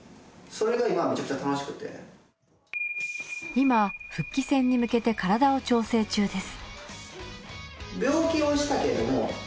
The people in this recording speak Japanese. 今復帰戦に向けて体を調整中です。